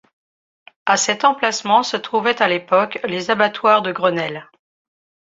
À cet emplacement se trouvaient à l'époque les abattoirs de Grenelle.